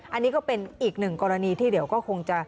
อันนี้ก็เป็นอีกหนึ่งกรณีที่เดี๋ยวก็คงจะ